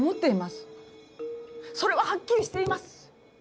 それははっきりしています！